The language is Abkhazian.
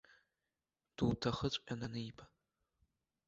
Дуҭахыҵәҟьан аниба.